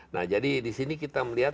nah jadi disini kita melihat